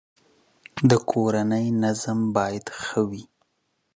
د کورنی نظم باید ښه وی